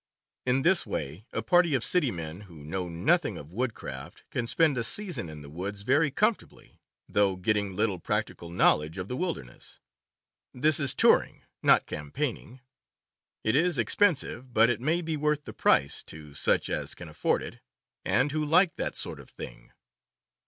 In this way a party of city men who know nothing of woodcraft can spend a season in the woods very comfortably, though getting little prac tical knowledge of the wilderness. This is touring, not campaigning. It is expensive; but it may be worth the price to such as can afford it, and who like that sort of thing.